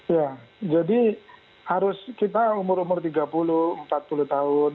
ya jadi harus kita umur umur tiga puluh empat puluh tahun